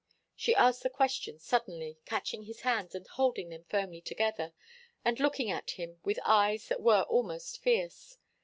She asked the question suddenly, catching his hands and holding them firmly together, and looking at him with eyes that were almost fierce.